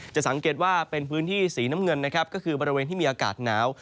จะสังเกตว่าเป็นพื้นที่สีน้ำเงินนะครับก็คือบริเวณที่มีอากาศหนาว